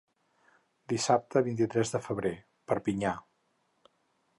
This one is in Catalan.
Dissabte vint-i-tres de febrer— Perpinyà.